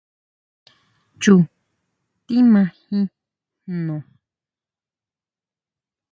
Chu tjímajin jno.